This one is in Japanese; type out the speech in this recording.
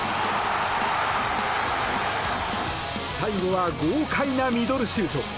最後は豪快なミドルシュート。